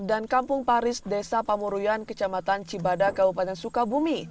dan kampung paris desa pamurian kecamatan cibada kabupaten sukabumi